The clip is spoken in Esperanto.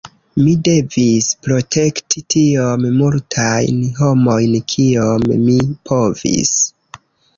Mi devis protekti tiom multajn homojn kiom mi povis".